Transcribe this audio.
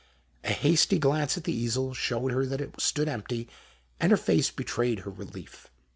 A hasty glance at the easel showed her that it stood empty, and her face betrayed her relief.